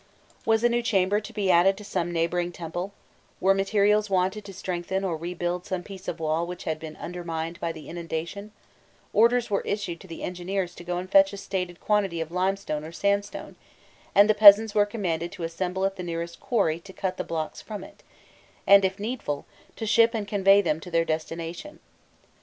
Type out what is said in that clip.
Was a new chamber to be added to some neighbouring temple, were materials wanted to strengthen or rebuild some piece of wall which had been undermined by the inundation, orders were issued to the engineers to go and fetch a stated quantity of limestone or sandstone, and the peasants were commanded to assemble at the nearest quarry to cut the blocks from it, and if needful to ship and convey them to their destination.